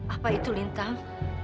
apa itu lintang